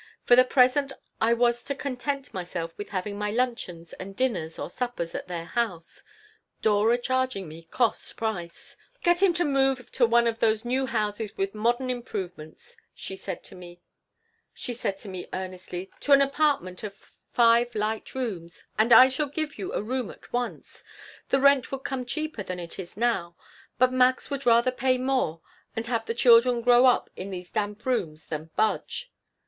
For the present I was to content myself with having my luncheons and dinners or suppers at their house, Dora charging me cost price "Get him to move to one of those new houses with modern improvements," she said to me, earnestly; "to an apartment of five light rooms, and I shall give you a room at once. The rent would come cheaper than it is now. But Max would rather pay more and have the children grow in these damp rooms than budge."